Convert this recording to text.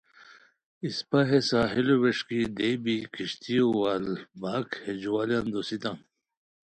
اِسپہ ہے ساحلو وݰکی دے بی ہے کشتیو وال باک ہے جُوالیان دوسیتام